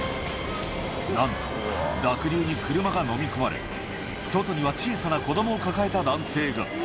なんと、濁流に車が飲み込まれ、外には小さな子どもを抱えた男性が。